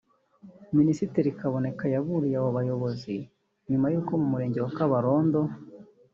Minisitiri Kaboneka yaburiye abo bayobozi nyuma y’uko mu Murenge wa Kabarondo